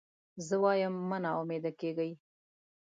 زه وایم مه نا امیده کېږی.